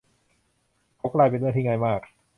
เขากลายเป็นเรื่องที่ง่ายมาก